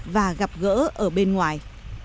và gặp gỡ ở bên ngoài